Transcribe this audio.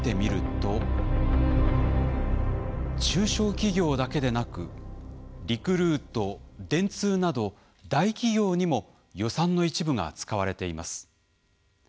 中小企業だけでなくリクルート電通など大企業にも予算の一部が使われています。